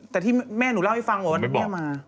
แต่ที่แม่หนูเล่าให้ฟังว่าวันนี้แม่มา